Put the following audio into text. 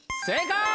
正解！